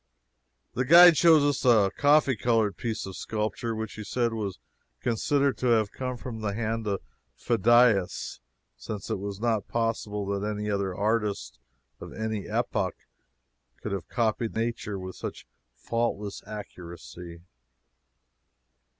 The guide showed us a coffee colored piece of sculpture which he said was considered to have come from the hand of Phidias, since it was not possible that any other artist, of any epoch, could have copied nature with such faultless accuracy.